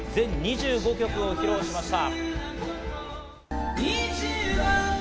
全２５曲を披露しました。